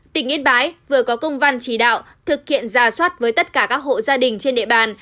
tỉnh yên bái vừa có công văn chỉ đạo thực hiện giả soát với tất cả các hộ gia đình trên địa bàn